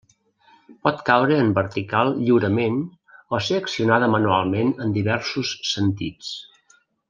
Pot caure en vertical lliurement o ser accionada manualment en diversos sentits.